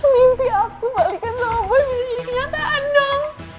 mimpi aku balikin sama boy bisa jadi kenyataan dong